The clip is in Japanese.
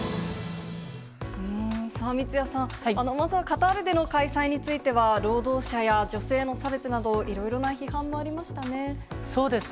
三屋さん、まずはカタールでの開催については、労働者や女性の差別など、いろいろな批判もありましたね。